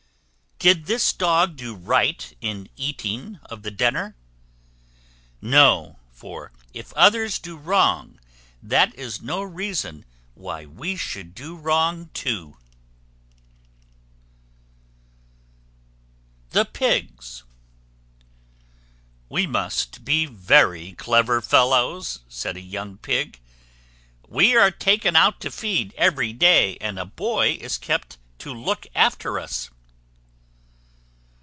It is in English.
Did this Dog do right in eating of the dinner? No. For if others do wrong, that is no reason why we should do wrong too. THE PIGS. "We must be very clever fellows," said a young Pig. "We are taken out to feed every day, and a boy is kept to look after us."